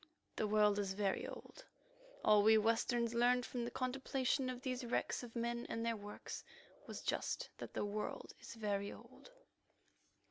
The world is very old; all we Westerns learned from the contemplation of these wrecks of men and of their works was just that the world is very old.